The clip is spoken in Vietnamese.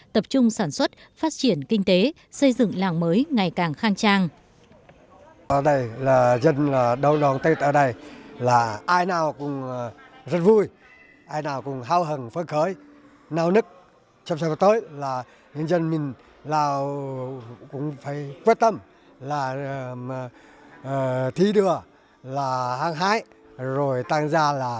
tập trung sản xuất phát triển kinh tế xây dựng làng mới ngày càng khang trang